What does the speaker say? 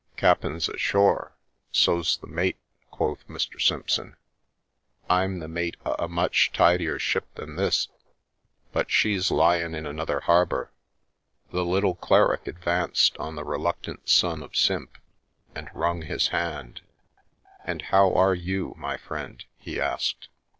Cap'en's ashore, so's the mate," quoth Mr. Simpson. I'm the mate o' a much tidier ship than this, but she's lyin' in another harbour." The little cleric advanced on the reluctant son of Simp and wrung his hand. " And how are you, my friend? " he asked.